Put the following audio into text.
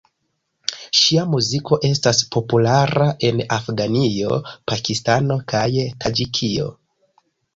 Ŝia muziko estas populara en Afganio, Pakistano kaj Taĝikio.